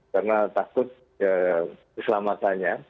karena takut keselamatannya